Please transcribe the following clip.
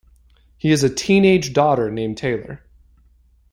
He has a teenage daughter named Taylor.